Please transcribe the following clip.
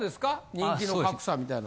人気の格差みたいな。